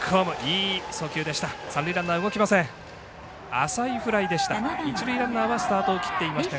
いい送球でした。